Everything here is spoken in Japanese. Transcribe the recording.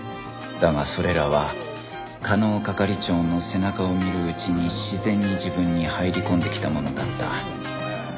だがそれらは加納係長の背中を見るうちに自然に自分に入り込んできたものだった